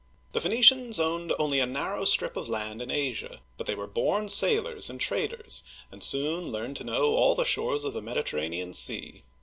The Phoenicians owned only a narrow strip of land in Asia, but they were born sailors and traders, and soon learned to know all the shores of the Mediterranean Sea.